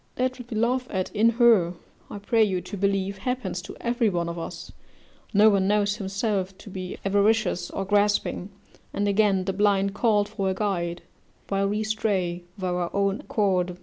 That what we laugh at in her, I pray you to believe, happens to every one of us: no one knows himself to be avaricious or grasping; and, again, the blind call for a guide, while we stray of our own accord.